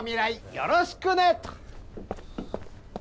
よろしくね」と。